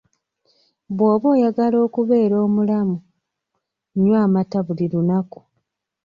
Bwoba oyagala okubeera omulamu nywa amata buli lunaku.